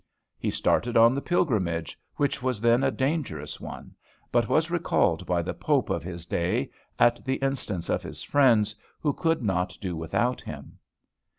He started on the pilgrimage, which was then a dangerous one; but was recalled by the pope of his day, at the instance of his friends, who could not do without him.